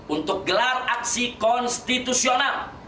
untuk gelar aksi konstitusional